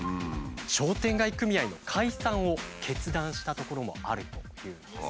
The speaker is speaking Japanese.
商店街組合の解散を決断した所もあるというんです。